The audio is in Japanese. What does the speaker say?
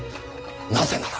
なぜなら。